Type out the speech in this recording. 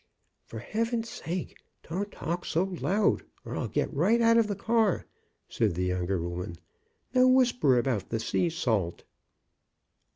For heaven's sake, don't talk so loud, or I'll get right out of the car," said the younger woman. "Now whisper about the sea salt."